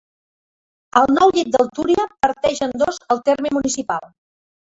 El nou llit del Túria parteix en dos el terme municipal.